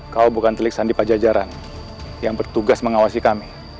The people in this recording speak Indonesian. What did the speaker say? kau bukan telik sandi pajajaran yang bertugas mengawasi kami